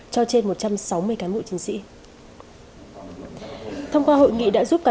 cho trên một trăm sáu mươi cán bộ chiến sĩ